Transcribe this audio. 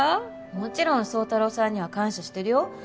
もちろん宗太郎さんには感謝してるよ。